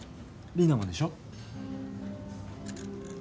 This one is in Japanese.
リナもでしょ？